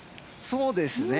そうですね。